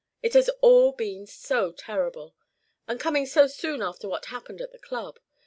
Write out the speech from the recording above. It has all been so terrible and coming so soon after what happened at the Club.